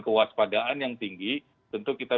kewaspadaan yang tinggi tentu kita